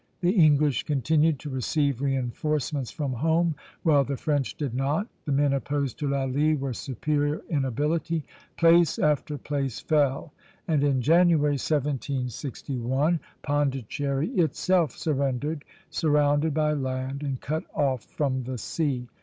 The English continued to receive reinforcements from home, while the French did not; the men opposed to Lally were superior in ability; place after place fell, and in January, 1761, Pondicherry itself surrendered, surrounded by land and cut off from the sea.